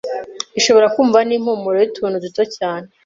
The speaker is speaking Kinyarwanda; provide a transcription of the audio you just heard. ishobora kumva n’impumuro y’utuntu duto cyane.